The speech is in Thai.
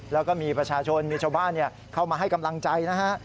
แล้วก็มีประชาชนมีชาวบ้านเข้ามาให้กำลังใจนะฮะ